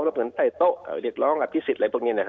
รับเงินใต้โต๊ะเรียกร้องอธิสิตอะไรพวกนี้